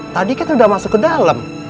tadi kita sudah masuk ke dalam